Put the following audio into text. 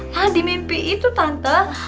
lagi mimpi itu tante